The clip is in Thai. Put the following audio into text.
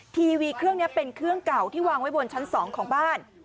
ทีวีเครื่องนี้เป็นเครื่องเก่าที่วางไว้บนชั้น๒ของบ้าน